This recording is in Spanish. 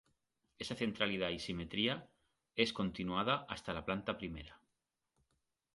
Esa centralidad y simetría es continuada hasta la planta primera.